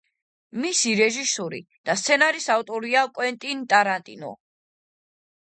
მისი რეჟისორი და სცენარის ავტორია კვენტინ ტარანტინო.